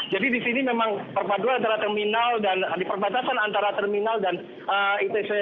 jadi di sini memang perpaduan antara terminal dan diperbatasan antara terminal dan terminal